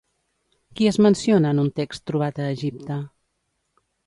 Qui es menciona en un text trobat a Egipte?